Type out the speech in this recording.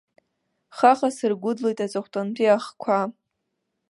Хаха сыргәыдлеит аҵыхәтәантәи ахқәа.